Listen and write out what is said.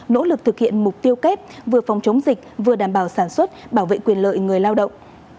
nỗ lực thực hiện mục tiêu kép vừa phòng chống dịch vừa đảm bảo sản xuất bảo vệ quyền lợi người lao động